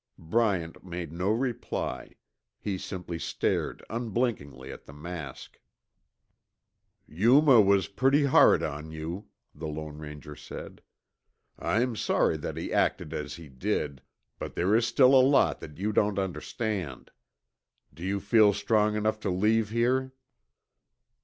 Bryant made no reply. He simply stared unblinkingly at the mask. "Yuma was pretty hard on you," the Lone Ranger said. "I'm sorry that he acted as he did, but there is still a lot that you don't understand. Do you feel strong enough to leave here?"